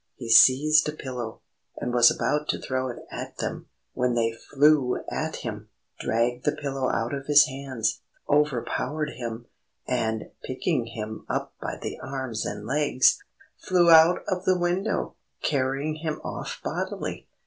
He seized a pillow, and was about to throw it at them, when they flew at him, dragged the pillow out of his hands, overpowered him, and picking him up by the arms and legs, flew out of the window, carrying him off bodily.